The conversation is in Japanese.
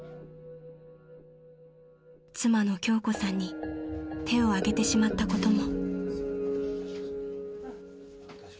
［妻の京子さんに手を上げてしまったことも］